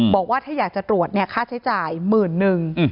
บอกว่าถ้าอยากจะตรวจเนี่ยค่าใช้จ่ายหมื่นนึง